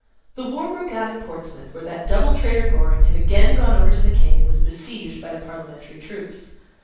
The war broke out at Portsmouth, where that double traitor Goring had again gone over to the King and was besieged by the Parliamentary troops.